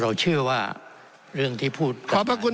ท่านประธานที่ขอรับครับ